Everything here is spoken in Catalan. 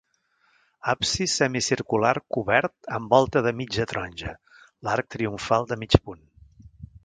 Absis semicircular cobert amb volta de mitja taronja, l'arc triomfal de mig punt.